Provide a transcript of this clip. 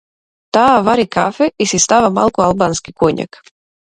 Таа вари кафе и си става малку албански коњак.